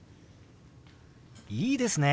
いいですね！